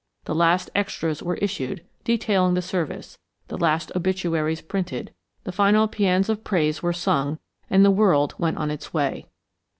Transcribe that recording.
The last extras were issued, detailing the service; the last obituaries printed, the final pæans of praise were sung, and the world went on its way.